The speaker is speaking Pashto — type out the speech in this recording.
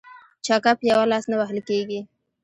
ـ چکه په يوه لاس نه وهل کيږي.